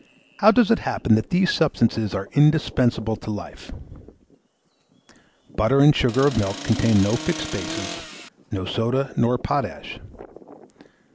How does it happen that these substances are indispensable to life? Butter and sugar of milk contain no fixed bases, no soda nor potash.